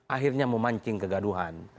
akhirnya memancing kegaduhan